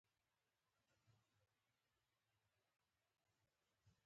چاري په منظم او معياري ډول دوامداره ساتي،